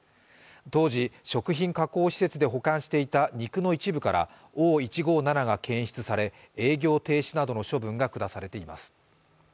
当時、食品加工施設で保管していた肉の一部からＯ１５７が検出され、営業停止などの処分が下されています。